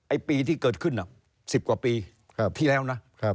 ปีที่เกิดขึ้น๑๐กว่าปีที่แล้วนะ